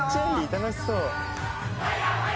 楽しそう」